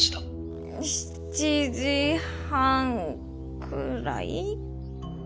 ７時半くらい？